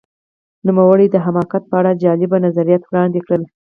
نوموړي د حماقت په اړه جالب نظریات وړاندې کړل.